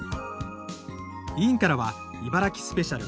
委員からは茨城スペシャル